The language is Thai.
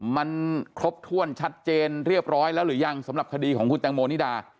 มันครบถ้วนชัดเจนเรียบร้อยแล้วหรือยังสำหรับคดีของคุณแตงโมนิดา